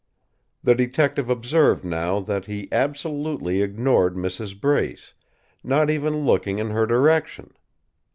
The detective observed now that he absolutely ignored Mrs. Brace, not even looking in her direction.